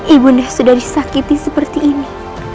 ibu nih sudah disakiti seperti ini